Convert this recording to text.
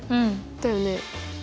だよね。